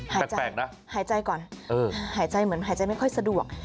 แปลกนะหายใจก่อนหายใจเหมือนหายใจไม่ค่อยสะดวก